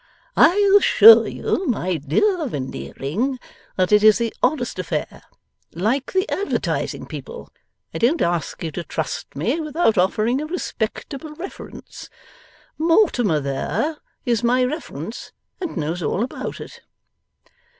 'I assure you, my dear Veneering, that it is the oddest affair! Like the advertising people, I don't ask you to trust me, without offering a respectable reference. Mortimer there, is my reference, and knows all about it.